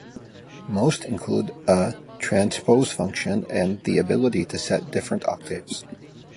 Most include a transpose function and the ability to set different octaves.